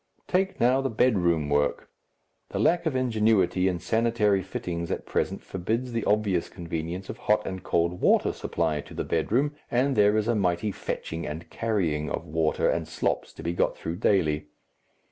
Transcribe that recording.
Take now the bedroom work. The lack of ingenuity in sanitary fittings at present forbids the obvious convenience of hot and cold water supply to the bedroom, and there is a mighty fetching and carrying of water and slops to be got through daily.